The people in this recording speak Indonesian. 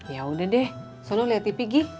ya udah deh soalnya lo liat tv gi